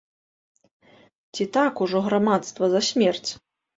Ці так ужо грамадства за смерць?